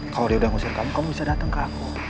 kalau dia udah ngusir kamu kamu bisa datang ke aku